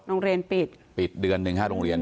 โรงเรียนปิดปิดเดือนหนึ่งห้าโรงเรียน